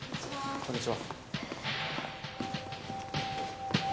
こんにちは